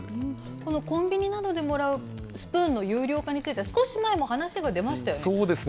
このコンビニなどでもらうスプーンの有料化については、少し前も話が出ましたよね。